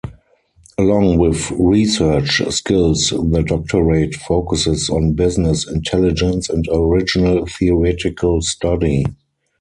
Along with research skills the doctorate focuses on business inteligence and original theoretical study.